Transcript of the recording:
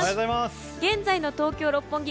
現在の東京・六本木